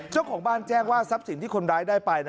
เจ้าของบ้านแจ้งว่าทรัพย์สินที่คนร้ายได้ไป